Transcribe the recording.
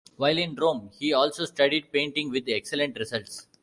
While in Rome he also studied painting with excellent results.